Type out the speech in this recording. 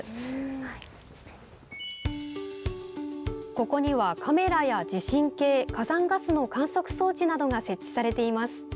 ここには、カメラや地震計火山ガスの観測装置などが設置されています。